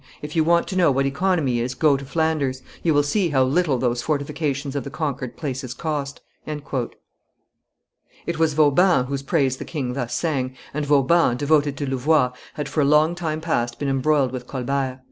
If you want to know what economy is, go to Flanders; you will see how little those fortifications of the conquered places cost." It was Vauban whose praise the king thus sang, and Vauban, devoted to Louvois, had for a long time past been embroiled with Colbert.